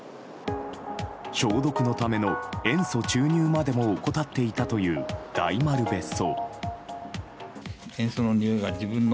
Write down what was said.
消毒のための塩素注入までも怠っていたという大丸別荘。